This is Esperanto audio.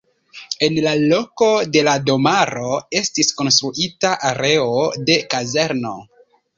En la loko de la domaro estis konstruita areo de kazerno.